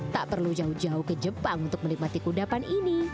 tak perlu jauh jauh ke jepang untuk menikmati kudapan ini